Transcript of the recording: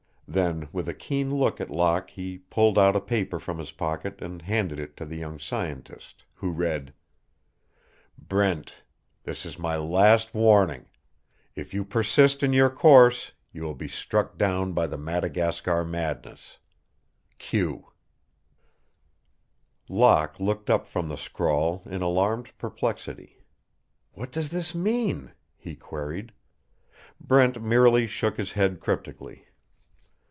Then with a keen look at Locke he pulled out a paper from his pocket and handed it to the young scientist, who read: BRENT, This is my last warning. If you persist in your course you will be struck down by the Madagascar madness. Q. Locke looked up from the scrawl in alarmed perplexity. "What does this mean?" he queried. Brent merely shook his head cryptically.